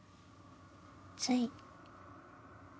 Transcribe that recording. つい。